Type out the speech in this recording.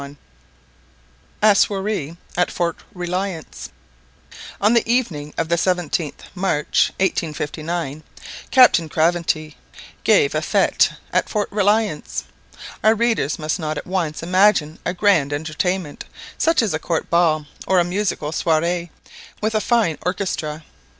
A SOIRÉE AT FORT RELIANCE. On the evening of the 17th March 1859, Captain Craventy gave a fête at Fort Reliance. Our readers must not at once imagine a grand entertainment, such as a court ball, or a musical soirée with a fine orchestra.